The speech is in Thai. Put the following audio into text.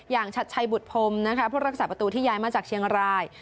ชัดชัยบุตรพรมนะคะผู้รักษาประตูที่ย้ายมาจากเชียงราย